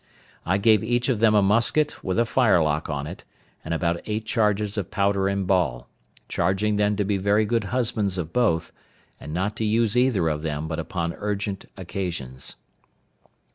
I gave each of them a musket, with a firelock on it, and about eight charges of powder and ball, charging them to be very good husbands of both, and not to use either of them but upon urgent occasions.